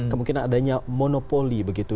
kemungkinan adanya monopoli begitu